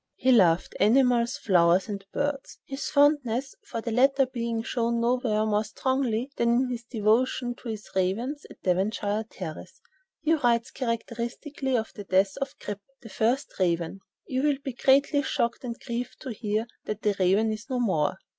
He loved animals, flowers and birds, his fondness for the latter being shown nowhere more strongly than in his devotion to his ravens at Devonshire Terrace. He writes characteristically of the death of "Grip," the first raven: "You will be greatly shocked and grieved to hear that the raven is no more.